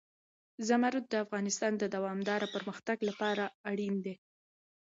زمرد د افغانستان د دوامداره پرمختګ لپاره اړین دي.